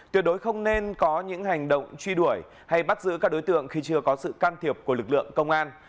tuyệt đối không nên có những hành động truy đuổi hay bắt giữ các đối tượng khi chưa có sự can thiệp của lực lượng công an